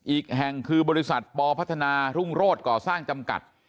อีกแห่งคือบริษัทปพัฒนารุ่งโรศก่อสร้างจำกัด